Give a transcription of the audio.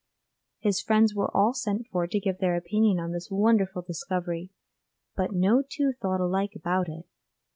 His friends were all sent for to give their opinion on this wonderful discovery, but no two thought alike about it.